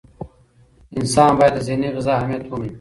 انسان باید د ذهني غذا اهمیت ومني.